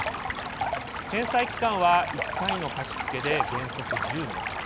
返済期間は１回の貸付で原則１０年。